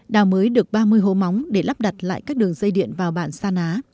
đào mới được ba mươi hố móng để lắp đặt lại các đường dây điện vào bản sa ná